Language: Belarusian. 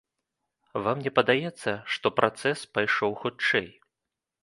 Вам не падаецца, што працэс пайшоў хутчэй?